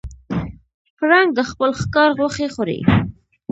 پړانګ د خپل ښکار غوښې خوري.